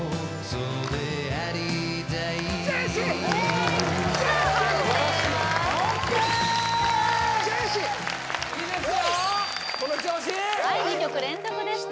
その調子はい２曲連続でした